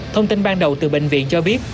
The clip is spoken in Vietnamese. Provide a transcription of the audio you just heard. thông tin ban đầu từ bệnh viện cho biết